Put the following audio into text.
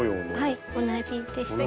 はい同じですね。